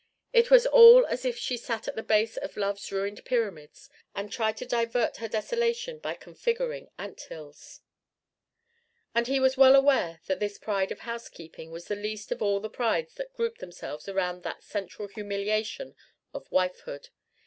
It was all as if she sat at the base of Love's ruined Pyramids and tried to divert her desolation by configuring ant hills. And he was well aware that this pride of housekeeping was the least of all the prides that grouped themselves around that central humiliation of wifehood.